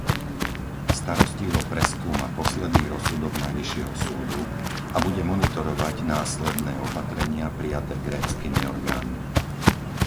Starostlivo preskúma posledný rozsudok Najvyššieho súdu a bude monitorovať následné opatrenia prijaté gréckymi orgánmi.